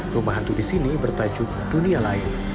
rumah hantu di sini bertajuk dunia lain